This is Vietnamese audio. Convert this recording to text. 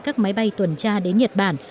các máy bay tuần tra đến nhật bản